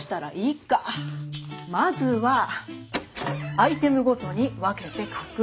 「まずはアイテムごとに分けて確認」